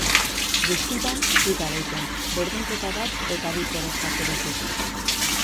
Guztira, bi garaipen, berdinketa bat eta bi porrot jaso ditu.